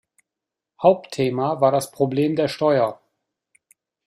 Hauptthema war das Problem der Steuer.